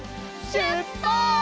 しゅっぱつ！